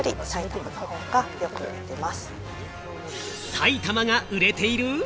埼玉が売れている！？